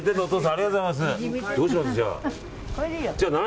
ありがとうございます。